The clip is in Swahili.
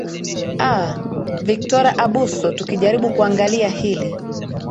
aa victora abuso tukijaribu kuangalia hili